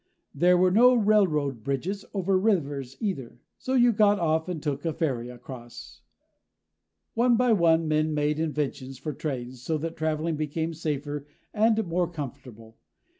There were no railroad bridges over rivers, either. So you got off and took a ferry across. One by one, men made inventions for trains, so that traveling became safer and more comfortable.